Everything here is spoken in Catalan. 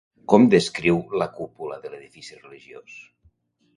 Com descriu la cúpula de l'edifici religiós?